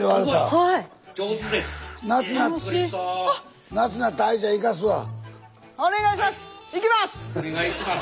はいお願いします。